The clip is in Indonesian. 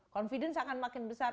confidence akan makin besar